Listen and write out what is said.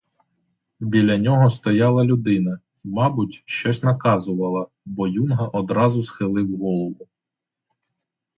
Біля нього стояла людина і, мабуть, щось наказувала, бо юнга одразу схилив голову.